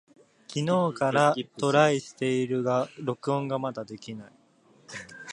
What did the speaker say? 昨日からトライしているが録音がまだできない。